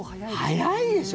速いでしょ。